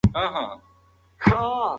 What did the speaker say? موږ باید له درواغ ویلو څخه په کلکه ډډه وکړو.